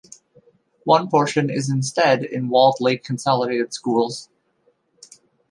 One portion is instead in Walled Lake Consolidated Schools.